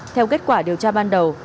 theo kết quả điều tra ban đầu